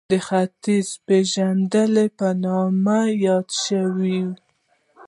دا ختیځپېژندنې په نامه یادې شوې